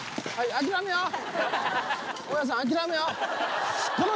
諦めよう。